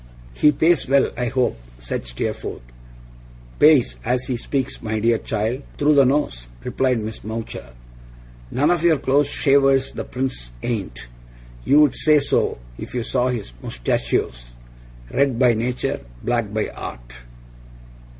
'He pays well, I hope?' said Steerforth. 'Pays, as he speaks, my dear child through the nose,' replied Miss Mowcher. 'None of your close shavers the Prince ain't. You'd say so, if you saw his moustachios. Red by nature, black by art.